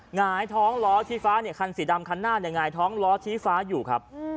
หงายท้องล้อชี้ฟ้าเนี่ยคันสีดำคันหน้าเนี่ยหงายท้องล้อชี้ฟ้าอยู่ครับ